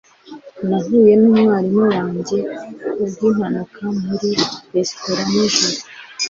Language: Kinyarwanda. Nahuye numwarimu wanjye kubwimpanuka muri resitora nijoro.